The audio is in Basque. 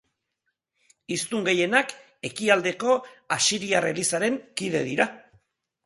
Hiztun gehienak Ekialdeko Asiriar Elizaren kide dira.